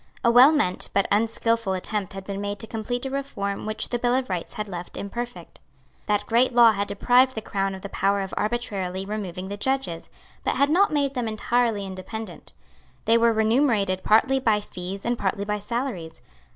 A well meant but unskilful attempt had been made to complete a reform which the Bill of Rights had left imperfect. That great law had deprived the Crown of the power of arbitrarily removing the judges, but had not made them entirely independent. They were remunerated partly by fees and partly by salaries.